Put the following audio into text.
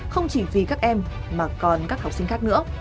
không chỉ vì các em mà còn các học sinh khác nữa